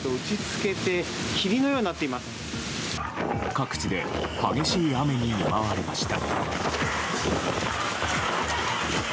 各地で激しい雨に見舞われました。